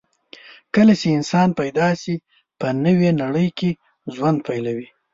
کله چې انسان پیدا شي، په نوې نړۍ کې ژوند پیلوي.